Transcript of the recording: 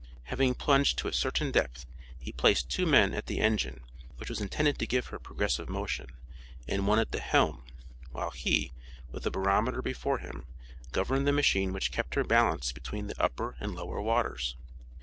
Having plunged to a certain depth he placed two men at the engine which was intended to give her progressive motion, and one at the helm, while he, with a barometer before him, governed the machine which kept her balanced between the upper and lower waters.